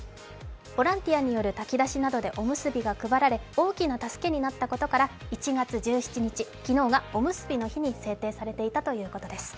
ボランティアなどによる炊き出しなどでおむすびが配られ、大きな助けになったことから、１月１７日、昨日がおむすびの日に制定されていたということです。